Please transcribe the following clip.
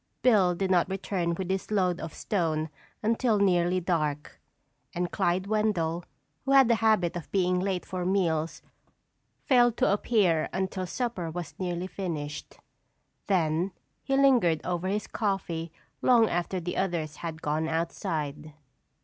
Bill did not return with his load of stone until nearly dark, and Clyde Wendell, who had a habit of being late for meals, failed to appear until supper was nearly finished. Then he lingered over his coffee long after the others had gone outside.